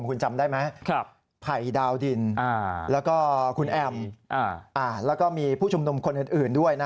คุณจำได้ไหมไผ่ดาวดินแล้วก็คุณแอมแล้วก็มีผู้ชุมนุมคนอื่นด้วย